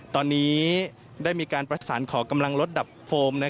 ตอนนี้ได้มีการประสานขอกำลังลดดับโฟม